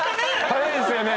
早いですよね。